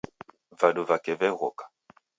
Vadu vake vegh'oka